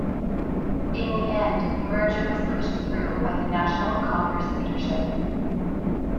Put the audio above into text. In the end the merger was pushed through by the national Congress leadership.